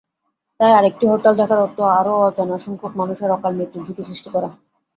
তাই আরেকটি হরতাল ডাকার অর্থ আরও অজানাসংখ্যক মানুষের অকালমৃত্যুর ঝুঁকি সৃষ্টি করা।